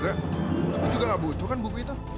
aku juga gak butuhkan buku itu